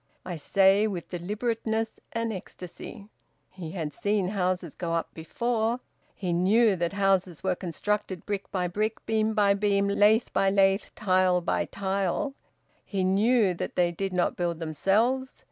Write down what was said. I say with deliberateness an `ecstasy.' He had seen houses go up before; he knew that houses were constructed brick by brick, beam by beam, lath by lath, tile by tile; he knew that they did not build themselves.